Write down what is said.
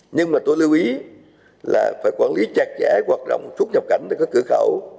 nhưng mà tôi lưu ý là phải quản lý chặt chẽ hoạt động xuất nhập cảnh tại các cửa khẩu